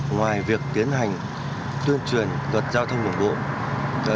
ngoài việc tiến hành tuyên truyền luật giao thông đường bộ